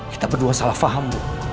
kita berdua salah faham bu